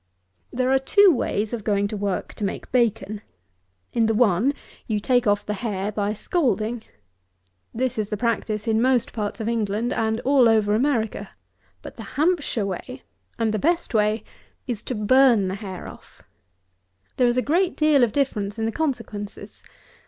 There are two ways of going to work to make bacon; in the one you take off the hair by scalding. This is the practice in most parts of England, and all over America. But the Hampshire way, and the best way, is to burn the hair off. There is a great deal of difference in the consequences.